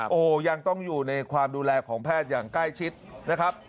โอ้โหยังต้องอยู่ในความดูแลของแพทย์อย่างใกล้ชิดนะครับ